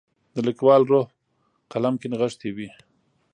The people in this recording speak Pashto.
د لیکوال روح قلم کې نغښتی وي.